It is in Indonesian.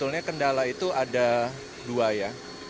sebetulnya kendala itu ada dua ya